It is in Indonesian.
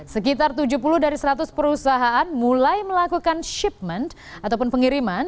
sekitar tujuh puluh dari seratus perusahaan mulai melakukan shipment ataupun pengiriman